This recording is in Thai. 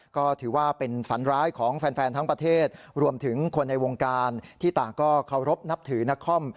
ก็ถือว่าเป็นฝันร้ายของแฟนทั้งประเทศรวมถึงคนในวงการที่ต่างก็เคารพนับถือนคร